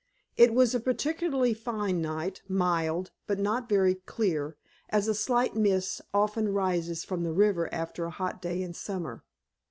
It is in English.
It was a particularly fine night, mild, but not very clear, as a slight mist often rises from the river after a hot day in summer.